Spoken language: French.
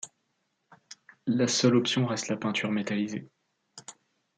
La seule option reste la peinture métallisée.